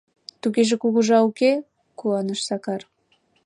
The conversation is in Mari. — Тугеже кугыжа уке? — куаныш Сакар.